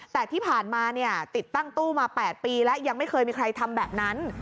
แต่ที่ผ่านมาเนี่ยติดตั้งตู้มา๘ปีแล้วยังไม่เคยมีใครทำแบบนั้น